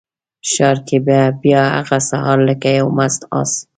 ښار کې به بیا هغه سهار لکه یو مست آس،